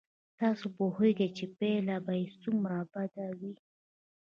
تاسو پوهېږئ چې پایله به یې څومره بد وي.